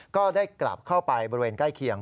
ก็ได้กลับเข้าไปบริเวณใกล้เคียง